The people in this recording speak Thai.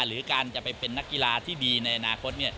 หรือการจะไปเป็นนักกีฬาที่ดีในอนาคต